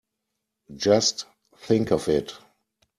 Just think of it!